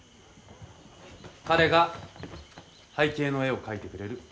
彼が背景の絵を描いてくれる山田天陽。